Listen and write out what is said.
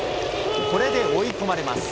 これで追い込まれます。